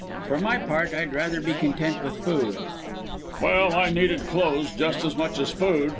For my part I'd rather be content with food!" "Well, I needed clothes just as much as food!"